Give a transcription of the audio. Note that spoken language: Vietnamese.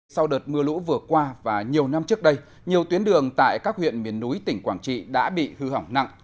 sau đợt mưa lũ vừa qua và nhiều năm trước đây nhiều tuyến đường tại các huyện miền núi tỉnh quảng trị đã bị hư hỏng nặng